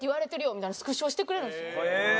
みたいなスクショをしてくれるんですよ。